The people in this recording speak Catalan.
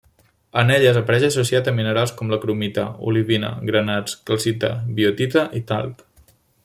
En elles, apareix associat a minerals com cromita, olivina, granats, calcita, biotita i talc.